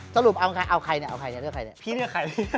สรุปเอาใครนี่พี่เลือกใคร